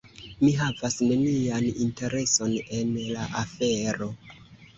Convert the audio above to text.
Mi havas nenian intereson en la afero.